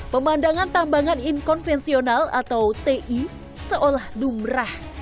pemandangan tambangan inkonvensional atau ti seolah dumrah